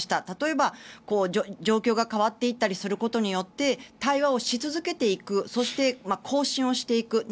例えば、状況が変わっていったりすることによって対話をし続けていくそして更新をしていく。